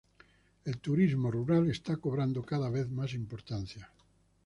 El turismo rural está cobrando cada vez más importancia.